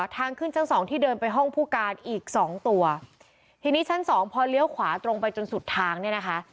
ทางขึ้นชั้นสองที่เดินไปห้องผู้การอีกสองตัวทีนี้ชั้นสองพอเลี้ยวขวาตรงไปจนสุดทางเนี่ยนะคะ